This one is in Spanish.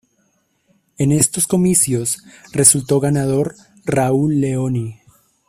En estos comicios resultó ganador Raúl Leoni.